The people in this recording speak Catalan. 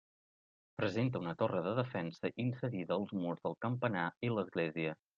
Presenta una torre de defensa inserida als murs del campanar i l'església.